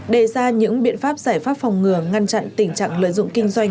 đề ra những biện pháp giải pháp phòng ngừa ngăn chặn tình trạng lợi dụng kinh doanh